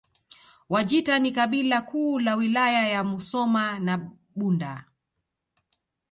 Wajita ni kabila kuu la Wilaya ya Musoma na Bunda